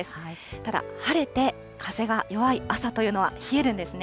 ただ、晴れて風が弱い朝というのは冷えるんですね。